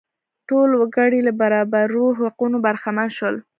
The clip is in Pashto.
ټول وګړي له برابرو حقونو برخمن شول.